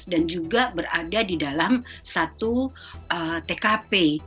dan juga berada di dalam satu tkp